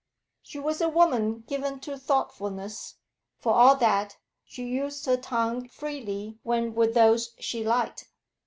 She was a woman given to thoughtfulness, for all that she used her tongue freely when with those she liked.